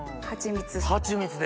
ハチミツで。